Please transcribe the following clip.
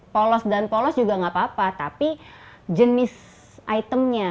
polos dan polos juga nggak apa apa tapi jenis itemnya